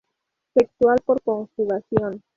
Sexual: Por conjugación.